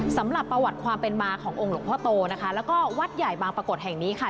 สำหรับประวัติความเป็นมาขององค์หลวงพ่อโตนะคะแล้วก็วัดใหญ่บางปรากฏแห่งนี้ค่ะ